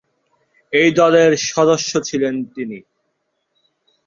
এই দলের সদস্য ছিলেন তিনি।